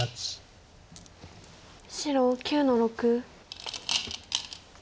白９の六。